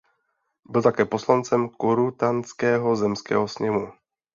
Byl také poslancem Korutanského zemského sněmu.